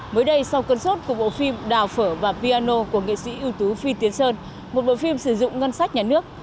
mới đây sau cơn sốt của bộ phim đào phở và piano của nghệ sĩ ưu tú phi tiến sơn một bộ phim sử dụng ngân sách nhà nước